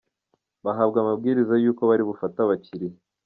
Bahabwa amabwiriza y’uko bari bufate abakiliya